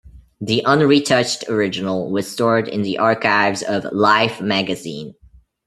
The unretouched original was stored in the archives of "Life" magazine.